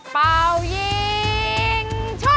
เปล่ายิง